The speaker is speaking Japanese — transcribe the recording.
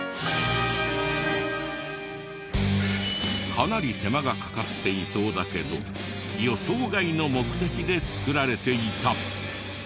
かなり手間がかかっていそうだけど予想外の目的で作られていた。